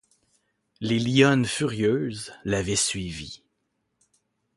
Les lionnes furieuses l’avaient suivi.